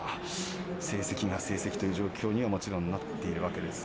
成績という状況にはもちろんなっているわけです。